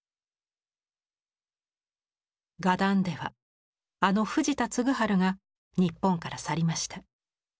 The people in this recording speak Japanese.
画壇ではあの藤田嗣治が日本から去りました。